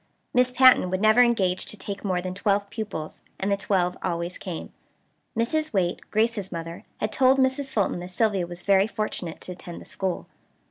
Miss Patten would never engage to take more than twelve pupils; and the twelve always came. Mrs. Waite, Grace's mother, had told Mrs. Fulton that Sylvia was very fortunate to attend the school.